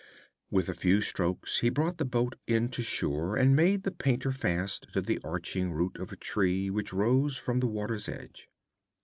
With a few strokes he brought the boat in to shore and made the painter fast to the arching root of a tree which rose from the water's edge.